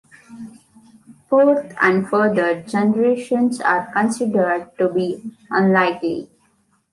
Fourth and further generations are considered to be unlikely.